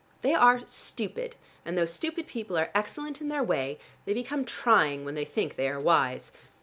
They are stupid, and though stupid people are excellent in their way, they become trying when they think they are wise.